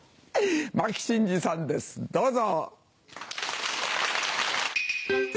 牧伸二さんですどうぞ！